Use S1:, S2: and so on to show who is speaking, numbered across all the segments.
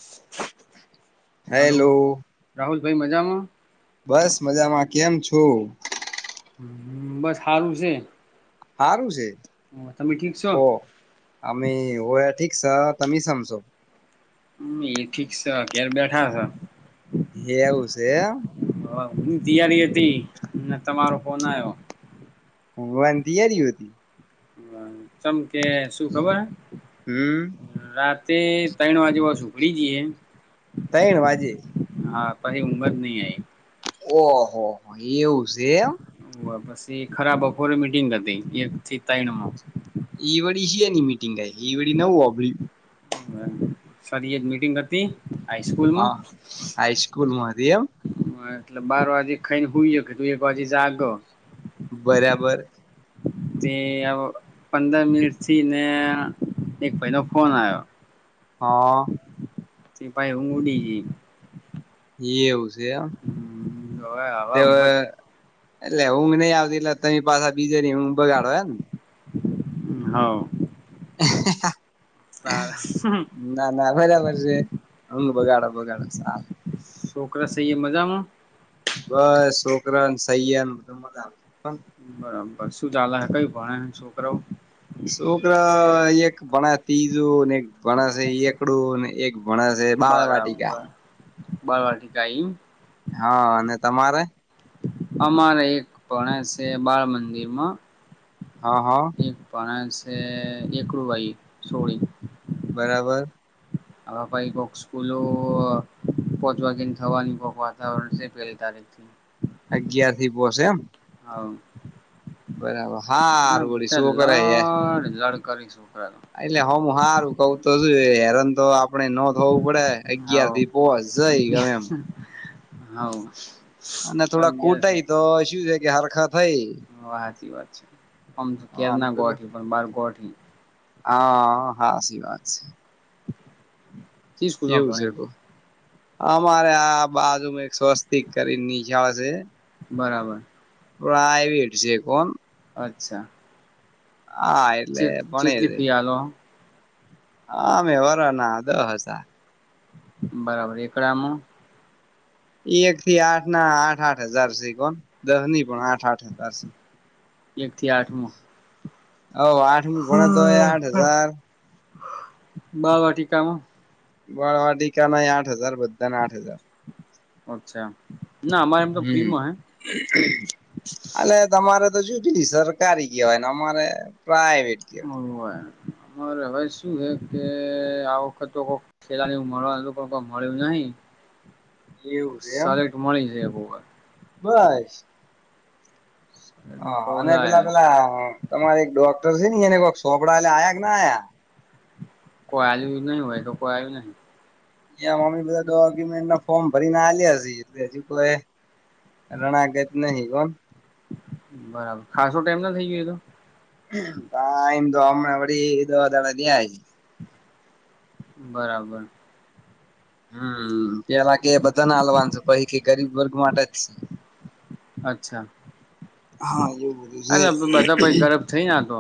S1: [unintelligible]
S2: Hello.
S1: ભાઈ મજામાં?
S2: બસ મજામાં કેમ છો?
S1: બસ સારું છે.
S2: સારું છે,
S1: તમે ઠીક છો
S2: ઓ અમે હોય. ઠીક છે, તમે સમજો.
S1: એ ઠીક છે અગિયાર રૂપિયા થાહ.
S2: હે એવું છે એમ.
S1: તિયારી હતી ને તમારો ફોન આયો.
S2: વનતીયારી હોતી.
S1: તમ કે શું ખબર?
S2: હમ.
S1: રાતે ત્રણ વાગતા આજુ બાજુ સૂઈ જઇએ.
S2: તઈન વાજી.
S1: હા કઈ ઉમદ નહી આ [unintelligible]
S2: ઓહો હો એવું છે એમ
S1: આવી પછી એ ખરાબ બખોરે મીટિંગ હતી એકથી તઈણમાં
S2: એ વળી છેી એની મીટિંગાય એ વળી નવ અભ
S1: બહુ સારી એક જ મીટિંગ હતી હાઈસ્કૂલમાં
S2: હા હાઈસ્કૂલમાં હતી એમ
S1: [unintelligible] મેં બાર વાગે ખાઈન હોઈય કે તું એક વાજે જાગ
S2: બરાબર
S1: તે પંદર મિનિટ થી ને એક ભાઈ નો ફોન આવ્યો
S2: હા
S1: તે પાઈ ઊંઘ ઉડી ગઈ [inaudible]
S2: એ એવું છે આમ
S1: હવે હવે ઊંઘ જ
S2: એટલે હું નઈ આવતી એટલે તરી પાછા બીજા ની ઊંઘ બગાડો એમ ને
S1: હા [unintelligible]
S2: [inaudible] હા હા -
S1: સાર [inaudible]
S2: ના ના બરાબર છે અમ બગાડ બગાડ સલે [inaudible]
S1: તો શું કરો સો મજામાં [inaudible]
S2: બસ છોકરાન સૈયન બધ મજા આવે છે [inaudible]
S1: બરાબર શું ચાલે કયું ભણે છોકરા
S2: છોકરા એક ભણે છે ત્રીજું ને એક ભણ છે એકડું ને એક મણસ એ બાળવાટ કા [inaudible]
S1: બાળવાટી કા [unintelligible]
S2: હા અને તમારે
S1: અમારે એક ભણે છે બાળ મંદિરમાં
S2: હા હા
S1: એક ભણે છે એકડું ભાઈ છોડી
S2: બરાબર
S1: હ બાઈ કોક સ્કૂલો પોહચવાગીને થવાની કોક વાતાવરણ છે પેલતા ર [inaudible]
S2: અગયાર થી પહો છે એમ
S1: હ
S2: બરાબર
S1: ના
S2: હારું
S1: બટ
S2: વળી છોકરા હે
S1: લડ લડ [inaudible]
S2: એટલે હ હું સારું કઉ તો શું હેરન તો આપણે ન થવું પડે અગિયાર થી
S1: તો
S2: પોચ જઈ ગમે એમ
S1: હા
S2: અને થોડા કૂટાય તો શું છે કે હરખા થઈ
S1: હાચી વાત આમ તો કેર
S2: અને
S1: ના
S2: પેલું
S1: ગોઠ પણ બાર ગોઠ
S2: હા હા સી વાત છે
S1: શી સ્કૂલ માં
S2: કેવું છે
S1: ભણે
S2: કો અમારે આ બાજુમાં એક સ્વસ્તિક કરીને નીખ આવશે
S1: બરાબર
S2: પ્રાઇવેટ છેેકો
S1: અચ્છા
S2: હા એટલે
S1: ચેટ
S2: ભણે
S1: ચેટલી
S2: છે.
S1: ફી આલો
S2: હ મે વરા ના દ. હ હતા
S1: બરાબર એકડ આમ
S2: એક થી આઠ ના આઠ આઠ હજાર છે કોણ દહ ની પણ આઠ આઠ હજાર છે.
S1: એક થી આઠમાં
S2: અ આઠ કોણ તોય આઠ હજાર
S1: બાળ વાટિકાામાં
S2: વાળવા ટીકા ના આઠ હજાર બધાને આઠ હજાર.
S1: અચ્છા ના અમારે એમ તો
S2: હમ
S1: ફ્રીમાં
S2: અલે તમારે તો [inaudible] સરકારી કેવાય ને અમારે પ્રાઈવેટ
S1: હે
S2: કેવાય.
S1: ઓવે અમારે હવે શું હે કે આ વખત તોક ખેલાની મળવાનું હતું પણ કોઈ મળ્યું નહી. કોક
S2: એવું છે એમ
S1: સારી મળી જાય બહુ.
S2: બસ હ
S1: ફોર્સ
S2: અને પેલા
S1: આયા છે.
S2: પેલા તમારે એક ડોક્ટર છે ને એને કોક છોપડા એલે આયા કે ના આયા?
S1: કો આલ્યું નહીં હોય તો કોઈ આયુ નહી.
S2: ઈયા મમ્મી બધા ડોક્યુમેન્ટના ફોર્મ ભરીને આલ્યા છી એટલે હજુ કોય રણાકત નહી કોન
S1: બરાબર ખાસું ટાઈમ ના થઇ ગયો ઈતો?
S2: તા આઈ ને તો હમણાં વરી દ દાણા થયા હશે.
S1: બરાબર
S2: હમ પેલા કે બધાને હાલવાનું સે પહિ કે ગરીબ વર્ગ માટે જ સે.
S1: અચ્છા
S2: હા એવું બધું સે.
S1: એટલે બધા પછ ગરબ થઈ ના તો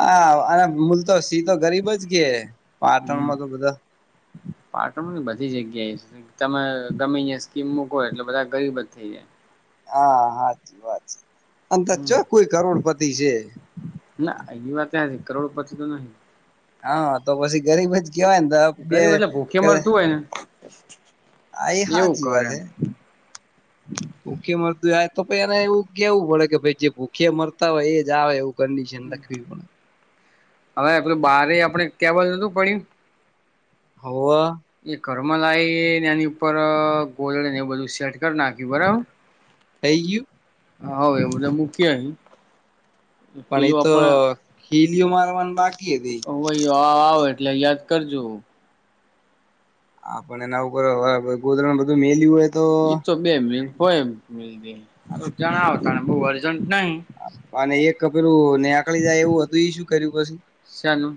S2: હા અને મલ તો સી તો ગરીબ જ કે
S1: હમ
S2: પાટણમાં તો બધા.
S1: પાટણની બધી જગ્યાએ છે તમે ગમે ઈયા સ્કીમ મૂકો એટલે બધા ગરીબ જ થઈ જાય.
S2: હા હાચી વાત છે. અન તા
S1: હમ
S2: ચ્યા કોઈ કરોડપતિ છે.
S1: ના એ વાતે હાચી કરોડ પતી તો નહી.
S2: હા તો પછી ગરીબ જ કેહેવાય ને તો બે
S1: ગરીબ એટલે ભૂખે
S2: [inaudible]
S1: મરતું હોય ને
S2: આ એ
S1: એવું
S2: હાચી
S1: કરે
S2: વાત હે
S1: એમ.
S2: ભૂખે મરતું જાય તો પઈ એને એવું કેવું પડે કે ભાઈ જે ભૂખે મરતા હોય એ જાવ એવું. કંડિશન
S1: હમ
S2: લખવી પડે
S1: હવે પેલું બારે આપડે કેબલ નતું પડ્યું.
S2: હોવ
S1: એ ઘરમાં લાઈને એની ઉપર ગોદડે ને એવું બધું સેટ કરી નાખ્યું બરાબર.
S2: થઈ ગયું?
S1: હોવ એ બધા મૂકી આઈ પેલું આપણે
S2: હીલીયો મારવાનું બાક
S1: હોવ આ આવે એટલે યાદ કરજો.
S2: હા પણ એના ઉપર હવે હવે ગોદરાને બધું મેલી
S1: ઈ તો બે મિનિટ હોય એમ મેલદી હા તો જણાવો તાણે બહુ અર્જન્ટ નહી.
S2: અને એક પેલું ને અકળી જાય એવું હતું ઈ શું કર્યું પછી?
S1: શાનું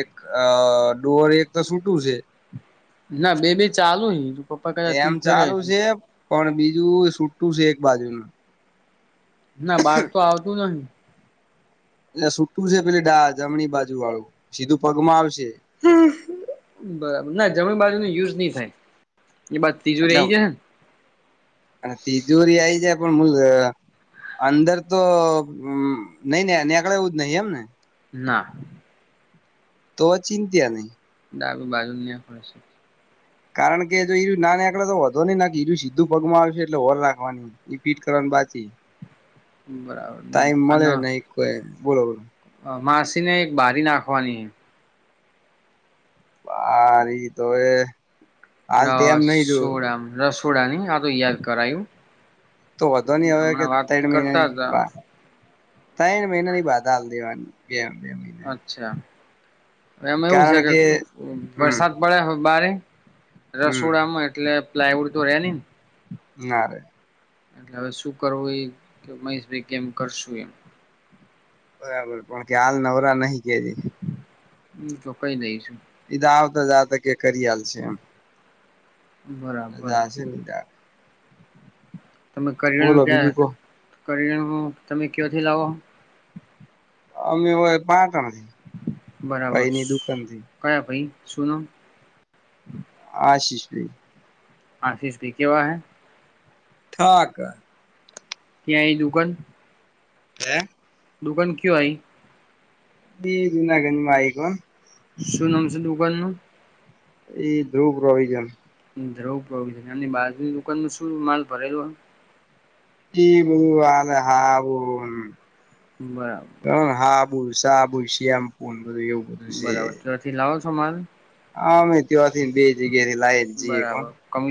S2: એક અ અ ડોઅર એક તો સૂટું સે.
S1: ના બે બે ચાલુ હે પપ્પા કદાચ
S2: એમ
S1: ફીટ કર્યા
S2: ચાલુ
S1: હશે.
S2: છે પણ બીજું સુટું સે એક બાજુનું.
S1: ના બહાર તો આવતું નહી.
S2: એટલે સુટું સે પેલી ડા જમણી બાજુ વાળું સીધું પગમાં આવશે.
S1: હમ બરાબર ના જમણી બાજુ ની યુઝ ની થાય. એ બાદ ત્રીજું
S2: એટલે
S1: રહી
S2: આમ
S1: જશે ને
S2: અને તિજુરી આઈ જાય. [inaudible] અંદર તો નહી ને નેકળે એવું જ નહીં એમને?
S1: ના
S2: તો ચિંત્યા નહીં.
S1: ડાબી બાજુને નેકળે છે.
S2: કારણ કે જો ઈરું ના નેકળે તો વોધો નહી નકા ઈરું સીધું પગમાં આવશે એટલે હોર રાખવાની ઈ ફીટ કરવાનું સાચી
S1: બરાબર
S2: ટાઈમ મળે નહી કોય બોલો બોલો
S1: અ માસીને એક બારી નાખવાની.
S2: બારી તો એ
S1: રસોડામ રસોડાની હાતો યાદ કરાયુ.
S2: તો વધો નહી હવે કે તડ મહિનાની
S1: હતા
S2: બાર તય મહિના ની બાધા હાલતી એમ
S1: અચ્છા એમાં એવું છે કે
S2: હમ
S1: વરસાદ પડે હ બારે
S2: હમ
S1: રસોડામાં એટલે પ્લાયવુડ તો રેને
S2: નારે
S1: એટલે હવે શું કરવું એ કે મહેશભાઈ કેમ કરશું એમ
S2: બરાબર પણ કે હાલ નવરા નહી કેહિ
S1: હ તો કઈ દઈસ
S2: એ આવતા જ આત કે કરિયાલ છે એમ
S1: બરાબર
S2: જાસે ને ત્યારે
S1: તમે કરીું
S2: બીજું
S1: ત્યા
S2: કો
S1: કરીલેહો તમે કયોથી લાવો
S2: અમી ઑહે પા કણ
S1: બરાબર કયા ભાઈ શુંનો
S2: આશિષ ભાઈ
S1: આફીષ ભી કેવા હૈ
S2: ઠાક.
S1: ત્યાં એ દુગન
S2: હે
S1: દુકાન કુ આઈ
S2: ઈ જ નગનમાં આઈગ
S1: શું નામ છે દુકાન નુ?
S2: એ ધ્રુવ પ્રોવિજન
S1: ધ્રુ પ્રોવિજન એમની બાજુની દુકાનમાં શું માલ ભરેલો
S2: એ [unintelligible]
S1: બરાબર.
S2: બુસા બુશ એમ પુન
S1: બરાબર તોથી લાવો છો માલ.
S2: હા અમે ત્યાથીને બે જગ્યા થી લાવ જઈએ પણ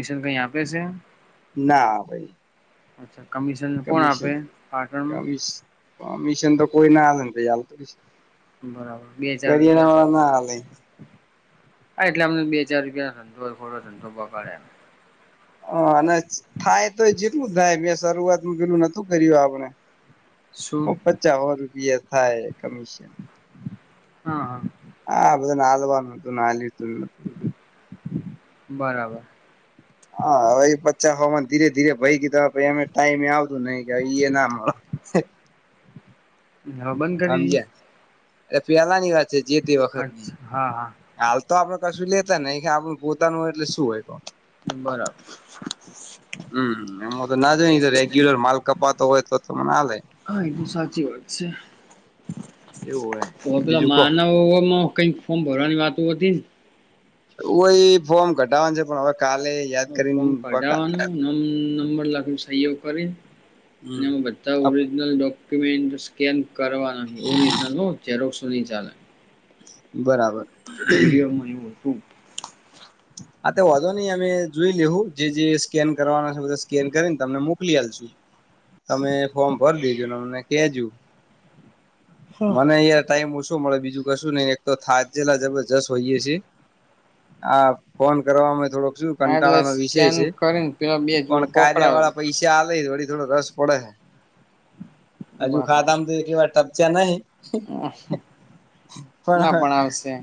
S1: કય આપે છે.
S2: ના ભાઈ
S1: અચ્છા કમિશન કોણ આપે
S2: કમિશન કમ
S1: પાટણમાં
S2: કમિશન તો કોઈ ના હાલ
S1: બરાબર બે હજાર રૂપિયા
S2: વાળા ના આલે
S1: હા એટલે અમને બે ચાર રૂપિયાનો ધંધો થોડો ધંધો પગાડે એ
S2: હ અને થાય તો જેટલું થાય શરૂઆત પેલું નતું કર્યું આપણે
S1: શું
S2: પચા હો રૂપિયા થાય કમિશન.
S1: હા.
S2: આ બધાનું હળવાનું હતું ના લીધું.
S1: બરાબર.
S2: હા હ એ બચા હોવા ધીરે ધીરે ભય ગીધા પમે ટાઈમે આવ તુ નહી કે ઈ ના [unintelligible]
S1: હા બંધ કરી દએ.
S2: એ પેલા ની વાત છે જે તે વખત ની
S1: હા હા
S2: હાલ તો આપડ કશું લેતા નહી કે આપણુ પોતાનુ હોય એટલે શું હોય!
S1: બરાબર.
S2: હમ્મ એમાં તો [unintelligible] તો રેગ્યુલર માલ કપાતો હોય તો મને હાલે
S1: હા એ તો સાચી વાત છે.
S2: એવું હોય
S1: તો પેલા
S2: બીજું કો
S1: માનવમાં કઈક ફોર્મ ભરવાની વાત હતી ને?
S2: ઓ એ ફોર્મ કઢાવવાનું છે પણ હવે કાલે યાદ
S1: ફોમ
S2: કરીને
S1: કઢાવવાનું [unintelligible] સહીઓ
S2: હમ
S1: કરીને બધા ઓરજનલ ડોક્યુમેન્ટ સેકેડ કરવા ન ઓરિજનલ હો ઝેરોક્ષ નહી ચાલે.
S2: બરાબર.
S1: [unintelligible] એવું હતું
S2: હા તો વધો નહી અમે જોઈ લેવું જે જે સ્કેન કરવાના છે બધા સ્કેન કરીને તમને મોકલી આપશુ. તમે ફોર્મ ભર દેજો ને અમને કેજો.
S1: હા.
S2: મને એ ટાઈમ મુસકેલ મળે બીજું કશું નહી એક તો થાકેલા જબરજસ્ત હોઈએ છીએ હા ફોન કરવાવામાં થોડોક શું
S1: એટલે
S2: કંટાળા નો વિષય
S1: સ્કેન
S2: છે
S1: કરીને પેલા બે જોડ
S2: પણ કાર્ય
S1: પકડાયો
S2: વાળા પૈસા આ થોડી થોડો રસ પડે હ હજુ
S1: બરાબર.
S2: ખાધામ તો એટલી વાર ટપચ્યા નહિ પણ
S1: ના
S2: હ
S1: આવશે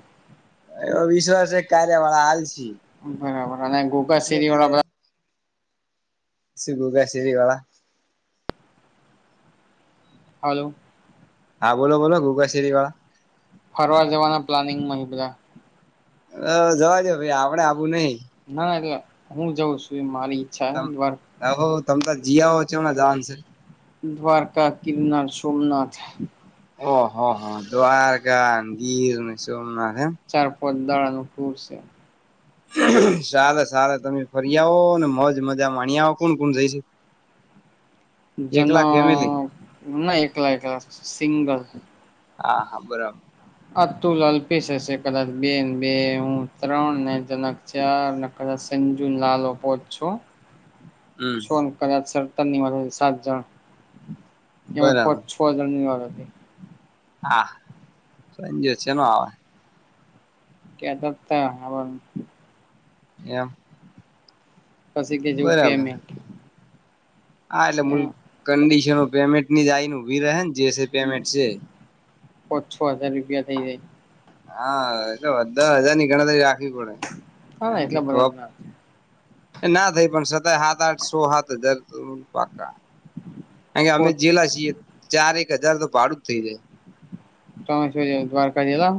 S2: એવો વિશ્વાસ છે કાર્ય વાળ આલસે.
S1: બરાબર અને [unintelligible]
S2: શું કે શેરીવાળા?
S1: હલો
S2: હા બોલો બોલો ગુગા શરી વાળા.
S1: ફરવા જવાના પ્લાનિંગમાં બધા.
S2: હ જવા દો ભાઈ આપડે આવું નઈ.
S1: ના ના હું જઉં છું મારી ઈચ્છા છે.
S2: જીયાવો, [unintelligible]
S1: દ્વારકા ગીરનાર સોમનાથ.
S2: ઓહ હ દ્વારકા ને ગીર અને સોમનાથ. એમ
S1: ચાર પદ દાળાનું ટૂર છે.
S2: સાર સારે તમે ફરી આવો ને મજ મજા માણી આવો કોણ કોણ જઈ છે?
S1: [inaudible] જના
S2: ફેમિલી
S1: ના એકલા એકલા સિંગલ.
S2: હા હા બરાબર.
S1: અતુલ અલ્પીસ હશે કદાચ બે બે હું ત્રણ ને જનક ચાર સંજુ લાલો પોચ, છો.
S2: હમ
S1: સોન કર સરતાની સાત જણ‌. એ પાંચ
S2: બરાબર
S1: છ હજાર [unintelligible]
S2: હા [unintelligible] ન આવે
S1: કેતાતા હવારમાં.
S2: એમ?
S1: પછી કે જેવુ
S2: બરાબર
S1: પેમેંટ.
S2: હા એટલે મૂલ કંડિશનો પેમેન્ટની જાય ભી રહેન જસે પેમેન્ટ છે.
S1: પાચ છો હાજાર રૂપિયા થઇ જાય.
S2: હા. દહ હજાર ની ગણાતરી રાખવી પડે
S1: હા એટલા બધા
S2: [unintelligible] ના થઈ પણ છતાય સાત આઠ સો સાત હજાર પાકા. અયા અમે
S1: પોત
S2: છેલ્લા છીએ ચાર એક હજાર તો ભાડું જ થઈ જાય
S1: ત્રંબકેશ્વર દ્વારકા જિલ્લા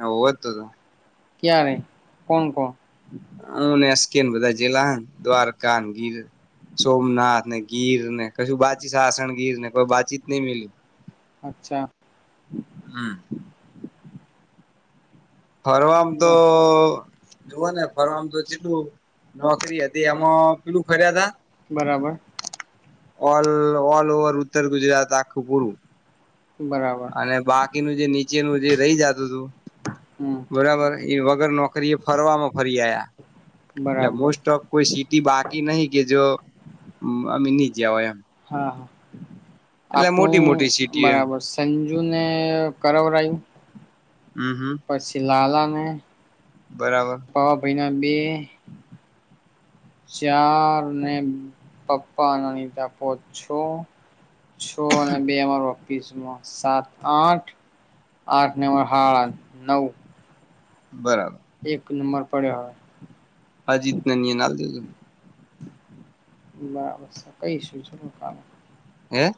S2: હોવ જ તો તો
S1: ક્યારેે કોણ કોણ?
S2: હુ ને કે બધા જલા દ્વારકા, ગીર, સોમનાથ ગીર ને કશું બાકી સાસણગીર ને કોઈ વાચીત નહી રહ્યું
S1: અચ્છા.
S2: હમ ફરવામ તો જુઓ ને ફરવા મ તો લો નોકરી હતી એમાં પેલું ખર્યા હતા
S1: બરાબર.
S2: ઓલ ઓલ ઓવર ઉત્તર ગુજરાત આખું પૂરું.
S1: બરાબર
S2: અને બાકીનું જે નીચેનું જે રહી જા તું હતું.
S1: હમ
S2: બરાબર એ વગર નોકરી એ ફરવામાં ફરી આયા એટ
S1: બરાબર
S2: મોસ્ટ ઓફ કોઈ સિટી બાકી નહિ કે જો અમે ગયા હોય એમ
S1: હા.
S2: એટલે
S1: આપણું
S2: મોટી મોટી સિટી એમ
S1: બરાબર સંજુ ને કરાવરાયું.
S2: હમ હમ
S1: પછી લાલા ને,
S2: બરાબર
S1: પાવાભાઈ ના બે, ચાર ને પપ્પા ના તો પાંચ છો છો અને બે અમારો, કિસનો સાત આઠ આઠને સાળા નવ,
S2: બરાબર.
S1: એક નંબર પડ્યો હવે.
S2: અજીતને નિયન આલ દીધું
S1: બબ કઈ શું?
S2: હે.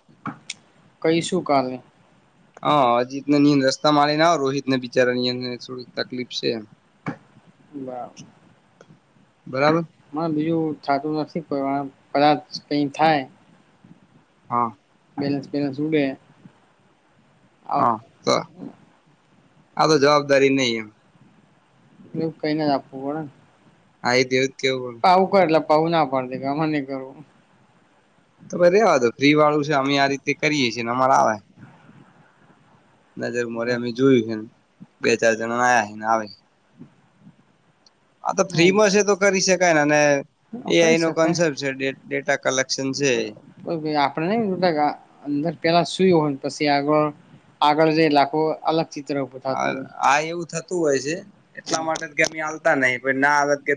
S1: કંઇ શું કાલે.
S2: હા અજીતને નિય રસ્તા મળીને આવ રોહિત ને બિચારા નિયંદ થોડીક તકલીફ છે.
S1: બ
S2: બરાબર
S1: હ બીજું? થાતું નથી કદાચ કય થાય તો
S2: હા.
S1: બેલેન્સ પેલેન્સ ઊડે હ.
S2: હા તો આ તો જવાબદારી નહી એમ
S1: એ કઈ ને જ આપવું પડેને
S2: આઈતયાર
S1: પઉું કરે એટલે પાવું ના પડતી ગ [unintelligible] નહી કરવું. [unintelligible]
S2: પડે તો ભાઈ રેવા દો ફ્રી વાળું છે, અમે આ રીતે કરીએ છીએને અમારે આવે નજર મોરે અમે જોયું છે, બે ચાર જણા આયા છે ને આવે હા તો ફ્રીમાં છે, તો કરી શકાય ને એ આનો કન્સેપ્ટ છે, ડે
S1: આપડ ન અંદર પેલા પછી આગળ આગળ જે લાખો અલગ ચિત્ર ઉભું
S2: હ
S1: થતું હોય.
S2: આ એવું થતું હોય છે,
S1: હા.
S2: એટલા માટે કે અમે આવતા નહ પણ ના આવેત કે